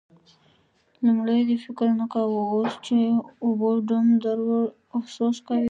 لومړی دې فکر نه کاوو؛ اوس چې اوبو ډم در وړ، افسوس کوې.